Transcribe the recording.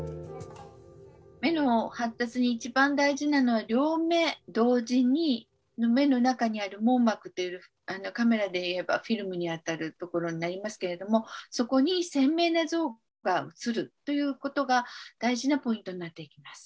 目の発達に一番大事なのは両目同時に目の中にある網膜っていうカメラでいえばフィルムに当たるところになりますけれどもそこに鮮明な像がうつるということが大事なポイントになっていきます。